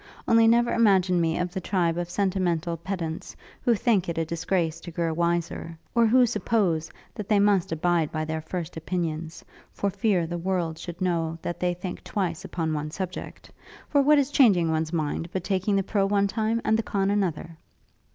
Only never imagine me of the tribe of sentimental pedants, who think it a disgrace to grow wiser; or who suppose that they must abide by their first opinions, for fear the world should know that they think twice upon one subject. For what is changing one's mind, but taking the pro one time, and the con another?'